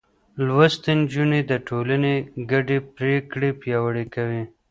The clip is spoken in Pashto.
لوستې نجونې د ټولنې ګډې پرېکړې پياوړې کوي.